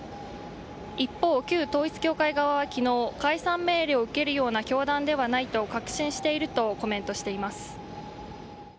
一方、旧統一教会側は昨日解散命令を受けるような教団ではないと確信しているとコメントしています。